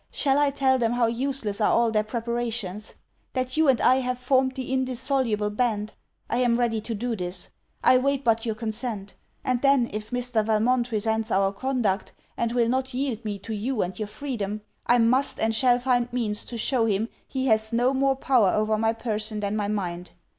shall I tell them how useless are all their preparations? that you and I have formed the indissoluble band? I am ready to do this. I wait but your consent. And then, if Mr. Valmont resents our conduct and will not yield me to you and your freedom, I must and shall find means to show him he has no more power over my person than my mind.